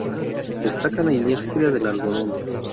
Destaca la industria del algodón.